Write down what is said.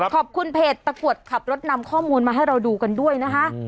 เพจตะกรวดขับรถนำข้อมูลมาให้เราดูกันด้วยนะคะ